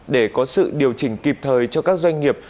để có sự điều chỉnh kịp thời cho các doanh nghiệp